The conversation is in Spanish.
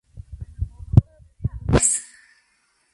Se debe tener más cuidado en las personas con problemas renales.